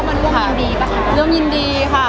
วันนี้เขาก็มาเริ่มยินดีค่ะ